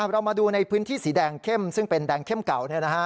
เรามาดูในพื้นที่สีแดงเข้มซึ่งเป็นแดงเข้มเก่า